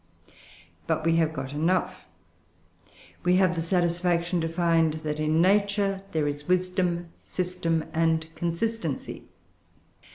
But we have got enough; we have the satisfaction to find, that in Nature there is wisdom, system, and consistency.